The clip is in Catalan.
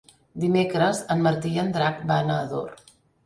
Dimecres en Martí i en Drac van a Ador.